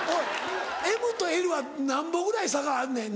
ＭとＬはなんぼぐらい差があんねん？